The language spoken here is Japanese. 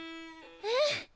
⁉うん！